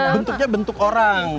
bentuknya bentuk orang